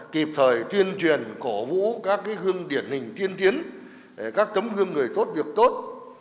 kịp thời tuyên truyền cổ vũ các gương điển hình tiên tiến các tấm gương người tốt việc tốt